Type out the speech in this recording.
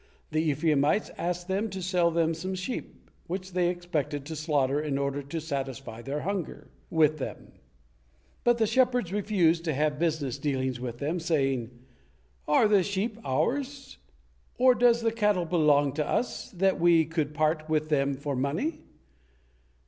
the Ephraimites asked them to sell them some sheep, which they expected to slaughter in order to satisfy their hunger with them, but the shepherds refused to have business dealings with them, saying, "Are the sheep ours, or does the cattle belong to us, that we could part with them for money?"